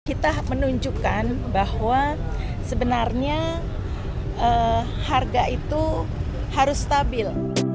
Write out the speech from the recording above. kita menunjukkan bahwa sebenarnya harga itu harus stabil